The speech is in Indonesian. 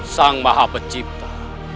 sang maha pecipta